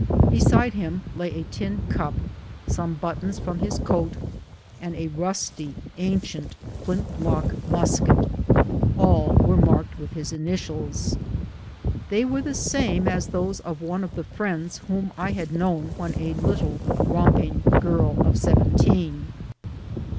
Beside him lay a tin cup, some buttons from liis coat, and a rusty, ancient flint lock musket. All were marked with his initials. They were the same as those of one of the friends wliom I had known when a little romping girl of seventeen.